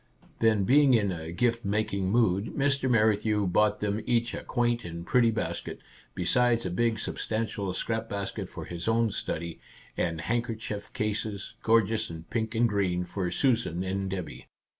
" Then, being in a gift making mood, Mr. Merrithew bought them each a quaint and pretty basket, besides a big substantial scrap basket for his own study, and handkerchief cases, gorgeous in pink and green, for Susan and Debby.